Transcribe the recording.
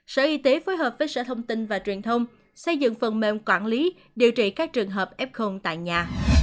sở y tế phối hợp với sở thông tin và truyền thông xây dựng phần mềm quản lý điều trị các trường hợp f tại nhà